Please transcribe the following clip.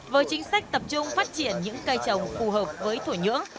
với chính sách tập trung phát triển những cây trồng phù hợp với thổi nhưỡng